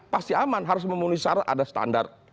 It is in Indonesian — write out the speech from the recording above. pasti aman harus memenuhi syarat ada standar